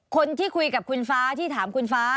คนที่คุยกับคุณฟ้าที่ถามคุณฟ้า